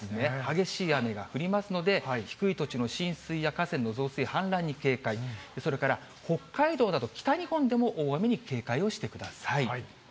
激しい雨が降りますので、低い土地の浸水や河川の増水、氾濫に警戒、それから北海道など北日本でも大雨に警戒をしてください。